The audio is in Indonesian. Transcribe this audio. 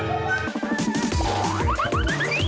iya lihat lihat justru aja sih